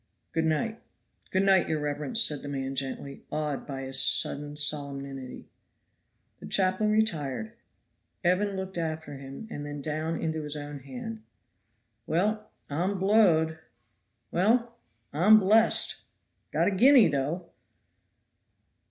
Good night!" "Good night, your reverence!" said the man gently, awed by his sudden solemnity. The chaplain retired. Evans looked after him, and then down into his own hand. "Well, I'm blowed! Well, I'm blest! Got a guinea, though!!"